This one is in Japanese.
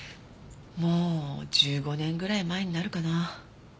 もう１５年ぐらい前になるかな。